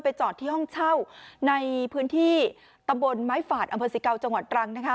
จอดที่ห้องเช่าในพื้นที่ตำบลไม้ฝาดอำเภอสิเกาจังหวัดตรังนะคะ